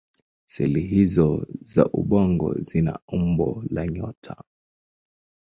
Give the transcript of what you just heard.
Seli hizO za ubongo zina umbo la nyota.